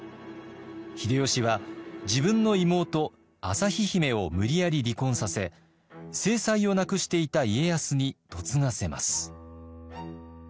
秀吉は自分の妹旭姫を無理やり離婚させ正妻を亡くしていた家康に嫁がせます。